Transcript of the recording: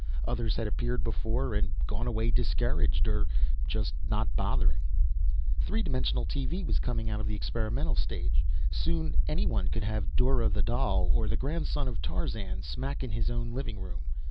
Others had appeared before, and gone away discouraged or just not bothering. 3 dimensional TV was coming out of the experimental stage. Soon anyone could have Dora the Doll or the Grandson of Tarzan smack in his own living room.